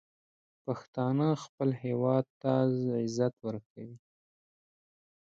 پښتانه خپل هیواد ته عزت ورکوي.